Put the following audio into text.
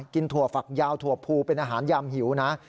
ถั่วฝักยาวถั่วภูเป็นอาหารยามหิวนะ